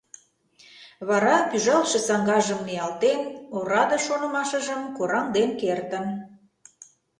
Вара пӱжалтше саҥгажым ниялтен, ораде шонымашыжым кораҥден кертын.